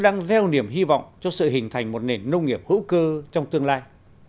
nền nông nghiệp hữu cơ là một hành trình hi vọng cho sự hình thành một nền nông nghiệp hữu cơ trong tương lai